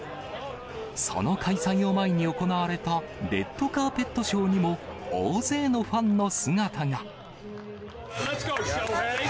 その開催を前に行われたレッドカーペットショーにも大勢のファンの姿が。